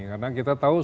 karena kita tahu